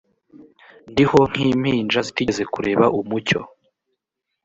ndiho nk impinja zitigeze kureba umucyo